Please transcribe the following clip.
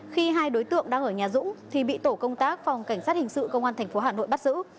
khi hai đối tượng đang ở nhà dũng thì bị tổ công tác phòng cảnh sát hình sự công an tp hà nội bắt giữ